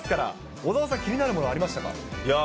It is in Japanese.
小澤さん、気になるものありましいやー